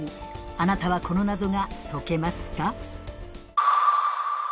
あなたはこの謎が解けますか？